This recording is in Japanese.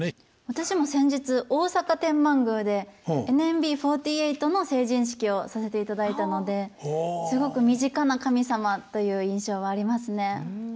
私も先日大阪天満宮でＮＭＢ４８の成人式をさせていただいたのですごく身近な神様という印象はありますね。